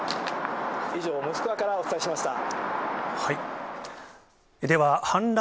以上、モスクワからお伝えしました。